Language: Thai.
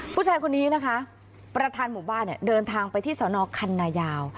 ผู้ชายคนนี้นะคะประธานหมู่บ้านเดินทางไปที่สนคันนายาว